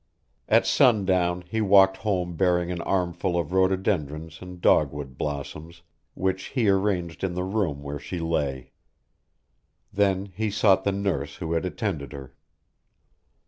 At sundown he walked home bearing an armful of rhododendrons and dogwood blossoms, which he arranged in the room where she lay. Then he sought the nurse who had attended her.